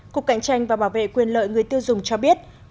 cục cạnh tranh và bảo vệ quyền lợi người tiêu dùng cho biết